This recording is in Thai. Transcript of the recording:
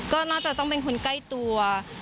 ก็น่าจะต้องเป็นคนใกล้ตัว